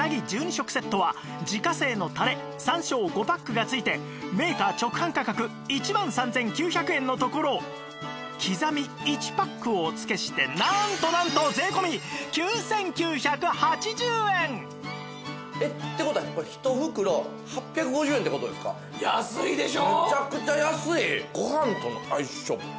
食セットは自家製のたれ山椒５パックが付いてメーカー直販価格１万３９００円のところ刻み１パックをお付けしてなんとなんと税込９９８０円！えっ！っていう事は安いでしょ？